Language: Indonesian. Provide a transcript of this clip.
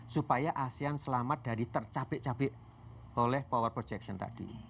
supaya asean selamat dari tercapek capek oleh power projection tadi